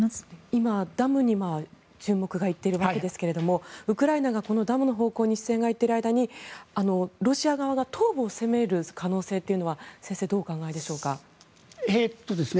今、ダムに注目が行っているわけですがウクライナがこのダムの方向に視線が行っている間にロシア側が東部を攻める可能性というのは先生、どうお考えでしょうか。